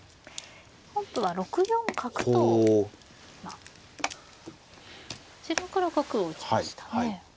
本譜は６四角と今こちらから角を打ちましたね。